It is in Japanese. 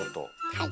はい。